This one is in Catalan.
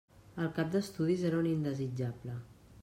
El cap d'estudis era un indesitjable.